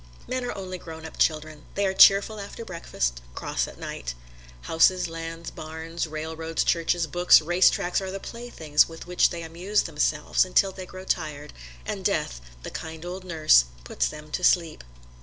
Men are only grown up children. They are cheerful after breakfast, cross at night. Houses, lands, barns, railroads, churches, books, racetracks are the playthings with which they amuse themselves until they grow tired, and Death, the kind old nurse, puts them to sleep.